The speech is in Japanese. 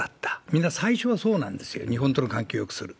みんな最初はそうなんですよ、日本との関係をよくする。